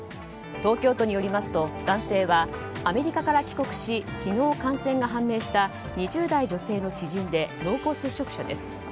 東京都によりますと男性はアメリカから帰国し昨日、感染が判明した２０代女性の知人で濃厚接触者です。